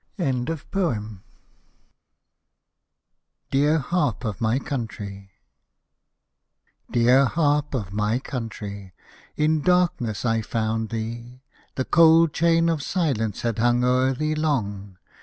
^ EAR HARP OF MY COUNTRY Dear Harp of my Country ! in darkness I found thee. The cold chain of silence had hung o'er thee long.